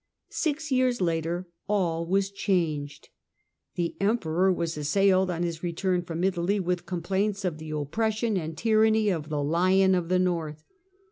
Six years later all was changed. The Emperor was assailed, on his return from Italy, with complaints of the oppression and tyranny of the " Lion of the North."